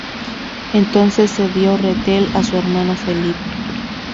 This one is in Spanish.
Entonces cedió Rethel a su hermano Felipe.